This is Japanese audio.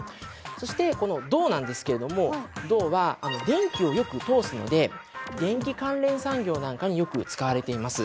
そしてこの銅なんですけども銅は電気をよく通すので電気関連産業なんかによく使われています。